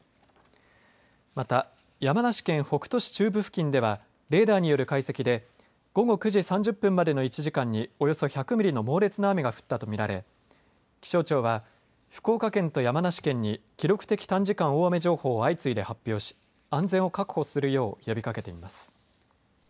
また、山梨県北杜市中部付近ではレーダーによる解析で午後９時３０分までの１時間におよそ１００ミリの猛烈な雨が降ったと見られ気象庁は福岡県と山梨県に記録的短時間大雨情報を相次いで発表し安全を確保するよう呼びかけています。